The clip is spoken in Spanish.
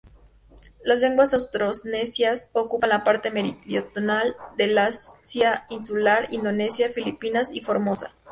Las lenguas austronesias ocupan la parte meridional de Asia insular: Indonesia, Filipinas y Formosa.